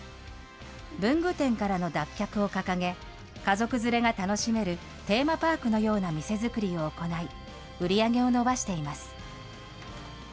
文具店からの脱却を掲げ、家族連れが楽しめるテーマパークのような店作りを行い、売り上げを伸ばしています。